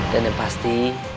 dan yang pasti